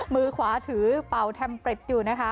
มือขวาถือเป่าแทมเปรตอยู่นะคะ